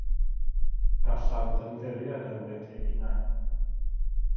Gallant ymddiried ynddynt eu hunain.